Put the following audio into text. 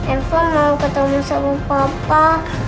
eva mau ketemu sama papa